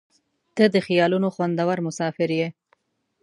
• ته د خیالونو خوندور مسافر یې.